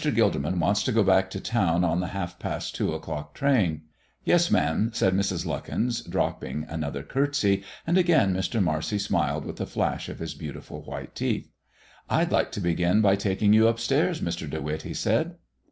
Gilderman wants to go back to town on the half past two o'clock train." "Yes, ma'am," said Mrs. Lukens, dropping another courtesy, and again Mr. Marcy smiled with a flash of his beautiful white teeth. "I'd like to begin by taking you up stairs, Mr. De Witt," he said.